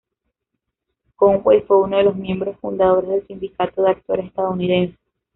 Conway fue uno de los miembros fundadores del Sindicato de Actores estadounidense.